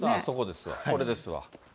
そこですわ、それですわ。